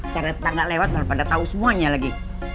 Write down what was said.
ternyata gak lewat daripada tau semuanya lagi